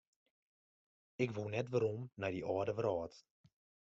Ik woe net werom nei dy âlde wrâld.